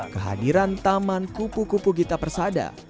kehadiran taman kupu kupu gita persada